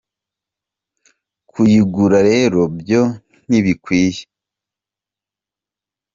Kuyigura rero byo ntibikwiye